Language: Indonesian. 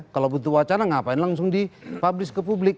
kalau bentuk wacana ngapain langsung dipublis ke publik